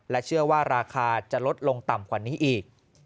เชื่อว่าราคาจะลดลงต่ำกว่านี้อีก